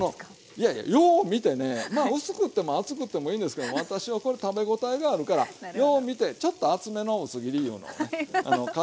いやいやよう見てね薄くっても厚くってもいいんですけど私はこれ食べ応えがあるからよう見てちょっと厚めの薄切りいうのを買ってくるということです。